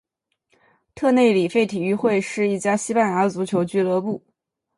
特内里费体育会是一家西班牙的足球俱乐部。